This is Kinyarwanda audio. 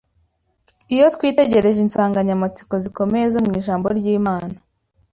Iyo twitegereje insanganyamatsiko zikomeye zo mu Ijambo ry’Imana